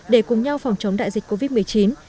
để cùng nhau phòng chống đại dịch covid một mươi chín